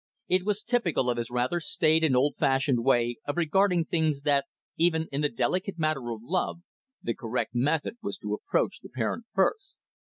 It was typical of his rather staid and old fashioned way of regarding things that, even in the delicate matter of love, the correct method was to approach the parent first.